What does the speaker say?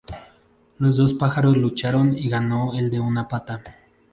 Los dos pájaros lucharon, y ganó el de una pata.